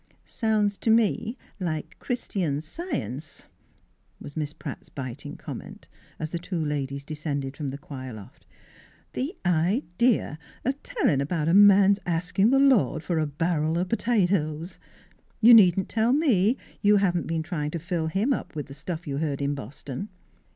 " Sounds to me like Christian Science" was Miss Pratt's biting comment, as the two ladies descended from the choir loft. " The i de a of tellin' about a man's askin' the Lord for a barrel o' potatoes! You needn't tell me you haven't been try in' to fill him up with the stuff you heard in Boston."